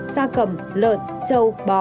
sa cầm lợt trâu bò